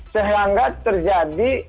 sehingga nggak terjadi